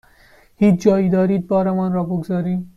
هیچ جایی دارید بارمان را بگذاریم؟